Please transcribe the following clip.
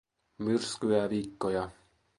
Myrskyää viikkoja.